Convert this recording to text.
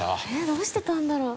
どうしてたんだろう。